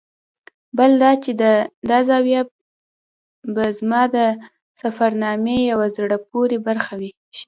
بل دا چې دا زاویه به زما د سفرنامې یوه زړه پورې برخه شي.